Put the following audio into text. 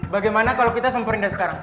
bagaimana kalo kita semperin dia sekarang